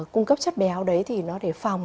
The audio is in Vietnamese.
cung cấp chất béo đấy thì nó để phòng